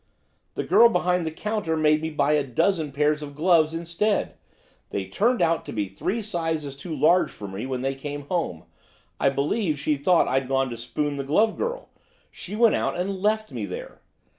'The girl behind the counter made me buy a dozen pairs of gloves instead. They turned out to be three sizes too large for me when they came home. I believe she thought I'd gone to spoon the glove girl, she went out and left me there.